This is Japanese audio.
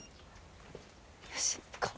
よし行こう。